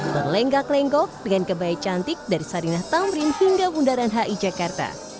berlenggak lenggok dengan kebaya cantik dari sarinah tamrin hingga bundaran hi jakarta